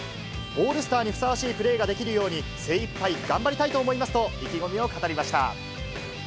オールスターにふさわしいプレーができるように、精いっぱい頑張りたいと思いますと、意気込みを語りました。